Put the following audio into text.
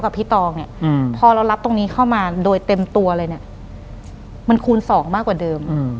หลังจากนั้นเราไม่ได้คุยกันนะคะเดินเข้าบ้านอืม